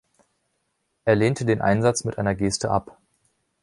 Er lehnte den Einsatz mit einer Geste ab.